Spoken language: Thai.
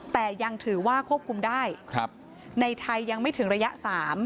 แต่ยังถือว่าควบคุมได้ในไทยยังไม่ถึงระยะ๓